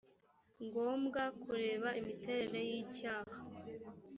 ngombwa kureba imiterere y icyaha